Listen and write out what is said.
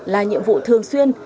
là nhiệm vụ thường xuyên